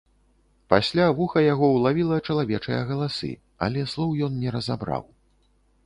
Пасля вуха яго ўлавіла чалавечыя галасы, але слоў ён не разабраў.